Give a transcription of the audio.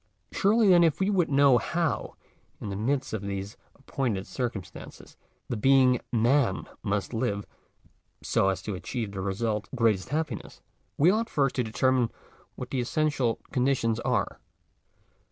Surely then ifjsa would know hf>WjJn_thft mirint of these Appointed circumstances*. the_ being Man mustjivftr gft m to achieve the result— greatest happiness, we flfight, first to determine what the essential con di tions are